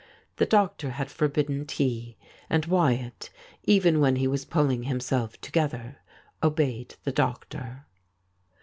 The doctor had forbidden tea, and Wyattj even when he was pulling himself together, obeyed the doctor.